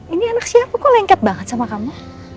ini anak siapa kok lengket banget sama kamu